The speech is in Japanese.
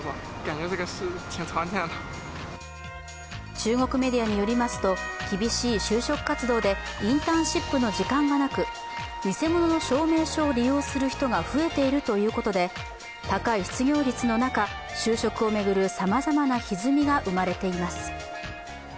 中国メディアによりますと厳しい就職活動でインターンシップの時間がなく偽物の証明書を利用する人が増えているということで、高い失業率の中就職を巡るさまざまなひずみが生まれています。